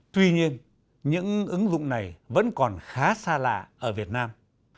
tuy nhiên những ứng dụng này vẫn còn khá xa lạ ở việt nam